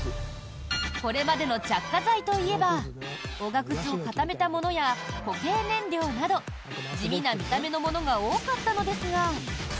これまでの着火剤といえばおがくずを固めたものや固形燃料など地味な見た目のものが多かったのですが。